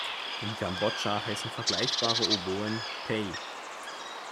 In Kambodscha heißen vergleichbare Oboen "pey".